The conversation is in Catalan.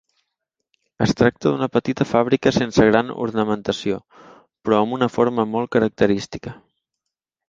Es tracta d'una petita fàbrica sense gran ornamentació però amb una forma molt característica.